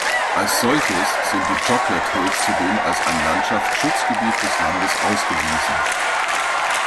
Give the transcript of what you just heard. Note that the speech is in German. Als solches sind die Chocolate Hills zudem als ein Landschaftsschutzgebiet des Landes ausgewiesen.